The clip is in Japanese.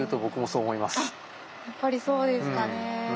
やっぱりそうですかね。